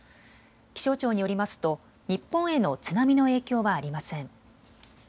気象庁によりますと日本への津波の影響はありません。